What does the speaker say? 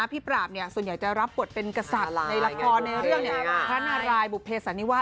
ปราบส่วนใหญ่จะรับบทเป็นกษัตริย์ในละครในเรื่องพระนารายบุเภสันนิวา